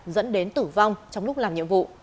dẫn đến tử vong trong lúc làm nhiệm vụ